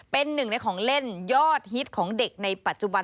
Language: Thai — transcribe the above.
เป็นหนึ่งในของเล่นยอดฮิตของเด็กในปัจจุบัน